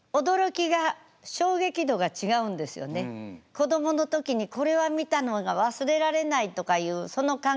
子どもの時にこれは見たのが忘れられないとかいうその感覚が。